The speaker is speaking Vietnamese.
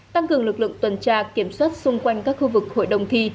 tăng cường lực lượng tuần tra kiểm soát xung quanh các khu vực hội đồng thi